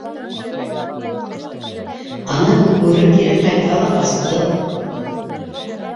Ана, Күкбүре кире ҡайтһа ла ҡасты.